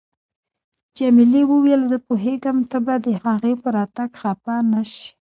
جميلې وويل: زه پوهیږم ته به د هغې په راتګ خفه نه شې.